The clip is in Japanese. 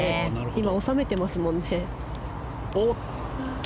今収めてますもんね。